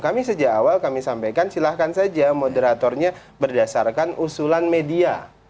kami sejak awal kami sampaikan silahkan saja moderatornya berdasarkan usulan media